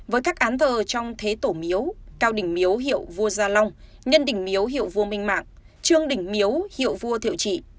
với các án thờ trong thế tổ miếu cao đỉnh miếu hiệu vua gia long nhân đỉnh miếu hiệu vua minh mạng trương đình miếu hiệu vua thiệu trị